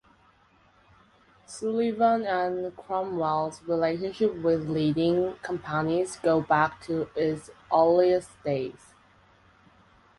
Sullivan and Cromwell's relationships with leading companies go back to its earliest days.